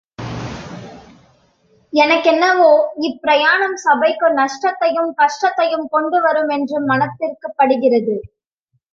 எனக்கென்னவோ, இப் பிரயாணம் சபைக்கு நஷ்டத்தையும் கஷ்டத்தையும் கொண்டு வருமென்று மனத்திற்படுகிறது.